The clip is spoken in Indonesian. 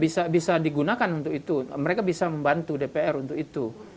bisa digunakan untuk itu mereka bisa membantu dpr untuk itu